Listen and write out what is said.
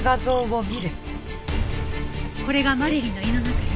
これがマリリンの胃の中よ。